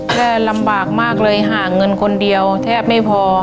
ลำบากมากเลยหาเงินคนเดียวแทบไม่พอ